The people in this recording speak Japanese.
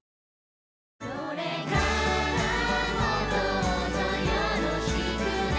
これからもどうぞよろしくね。